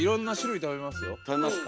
食べますか。